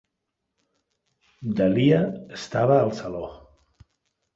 Dahlia estava al saló.